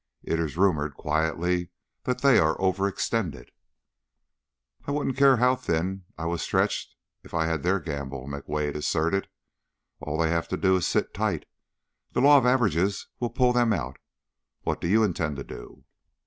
It is rumored, quietly, that they are overextended." "I wouldn't care how thin I was stretched if I had their gamble," McWade asserted. "All they have to do is to sit tight. The law of average will pull them out. What do you intend to do?"